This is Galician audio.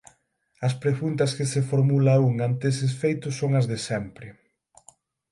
As preguntas que se formula un ante estes feitos son as de sempre.